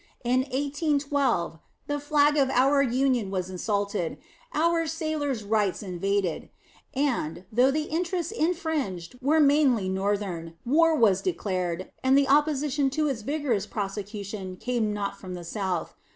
In 1812 the flag of our Union was insulted, our sailors' rights invaded; and, though the interests infringed were mainly Northern, war was declared, and the opposition to its vigorous prosecution came not from the South.